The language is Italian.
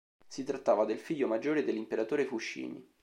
Si trattava del figlio maggiore dell'imperatore Fushimi.